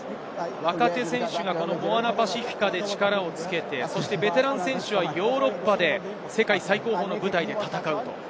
若手選手がモアナ・パシフィカで力をつけてベテランの選手はヨーロッパで世界最高峰の舞台で戦う。